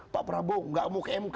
pak prabowo nggak mau ke mk